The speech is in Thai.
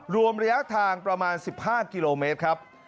รวมระยะทางประมาณ๑๕กิโลเมตรครับ